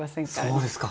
そうですか。